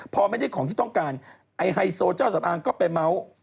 พอไม่ได้ของที่ต้องการไอ้ไฮโซเจ้าสำอางก็ไปเมาส์